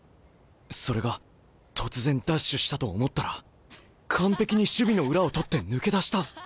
それが突然ダッシュしたと思ったら完璧に守備の裏を取って抜け出した！